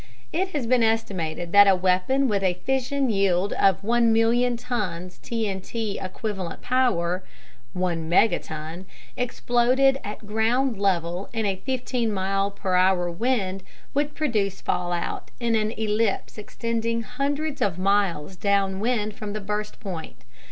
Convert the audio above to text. It has been estimated that a weapon with a fission yield of 1 million tons TNT equivalent power (1 megaton) exploded at ground level in a 15 miles per hour wind would produce fallout in an ellipse extending hundreds of miles downwind from the burst point.